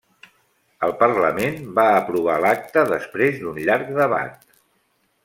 El parlament va aprovar l'acta després d'un llarg debat.